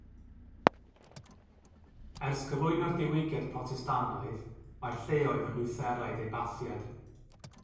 Ers cyflwyno'r Diwygiad Protestannaidd, mae'r lleoedd yn Lutheraidd eu bathiad.